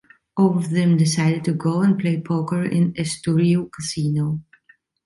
All of them decided to go and play poker in Estoril’s casino.